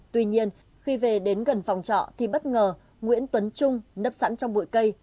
tuy nhiên khi về đến gần phòng trọ thì bất ngờ nguyễn tuấn trung nấp sẵn trong bụi cây